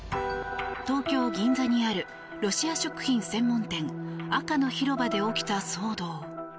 東京・銀座にあるロシア食品専門店赤の広場で起きた騒動。